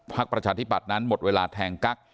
ประชาธิบัตินั้นหมดเวลาแทงกั๊ก